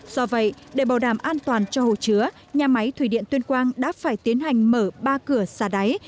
do vậy để bảo đảm an toàn cho hồ chứa nhà máy thủy điện tuyên quang đã phải tiến hành mở ba cửa xả đáy